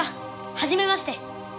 はじめまして！